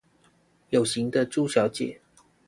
有型的豬小姐